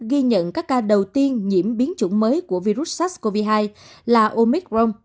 ghi nhận các ca đầu tiên nhiễm biến chủng mới của virus sars cov hai là omicron